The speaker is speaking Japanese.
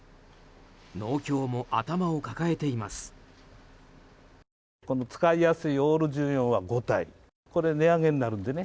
農協も頭を抱えています。